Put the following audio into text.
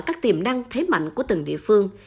các tiềm năng thế mạnh của từng địa phương